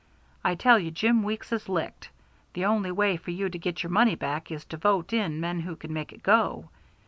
I tell you Jim Weeks is licked. The only way for you to get your money back is to vote in men who can make it go.